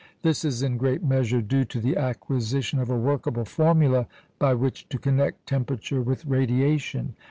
This is in great measure due to the acquisition of a workable formula by which to connect temperature with radiation.